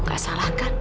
gak salah kan